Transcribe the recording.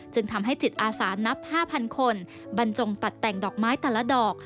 จึงทำให้จิตอาสานับ๕๐๐คนบรรจงตัดแต่งดอกไม้แต่ละดอก